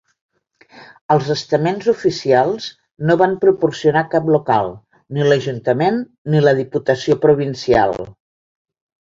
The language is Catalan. Els estaments oficials no van proporcionar cap local, ni l'Ajuntament ni la Diputació Provincial.